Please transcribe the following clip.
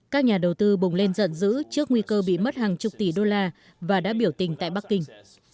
các nhà đầu tư bùng lên giận dữ trước nguy cơ bị mất hàng chục tỷ đô la và đã biểu tình tại bắc kinh